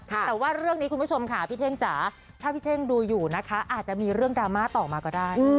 แต่ว่าเรื่องนี้คุณผู้ชมค่ะพี่เท่งจ๋าถ้าพี่เท่งดูอยู่นะคะอาจจะมีเรื่องดราม่าต่อมาก็ได้